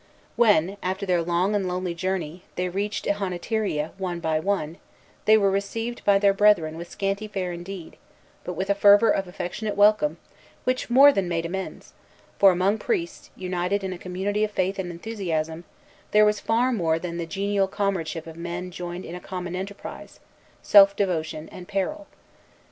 When, after their long and lonely journey, they reached Ihonatiria one by one, they were received by their brethren with scanty fare indeed, but with a fervor of affectionate welcome which more than made amends; for among these priests, united in a community of faith and enthusiasm, there was far more than the genial comradeship of men joined in a common enterprise of self devotion and peril.